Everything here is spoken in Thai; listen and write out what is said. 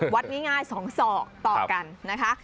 วัดง่าย๒ศอกต่อกันนะคะ